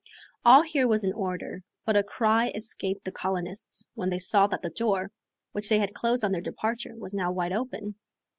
All here was in order; but a cry escaped the colonists when they saw that the door, which they had closed on their departure, was now wide open.